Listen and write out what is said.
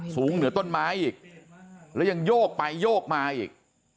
สูงเหนือต้นไม้อีกแล้วยังโยกไปโยกมาอีก